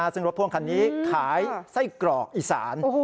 ซึ่งรถพ่วงคันนี้ขายไส้กรอกอีสาน